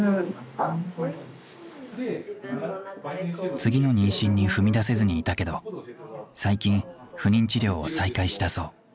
次の妊娠に踏み出せずにいたけど最近不妊治療を再開したそう。